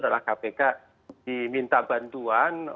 adalah kpk diminta bantuan